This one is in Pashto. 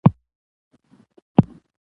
ياره زه دې په جهان کې سره نيڅۍ کړم